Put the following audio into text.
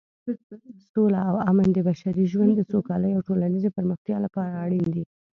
سوله او امن د بشري ژوند د سوکالۍ او ټولنیزې پرمختیا لپاره اړین دي.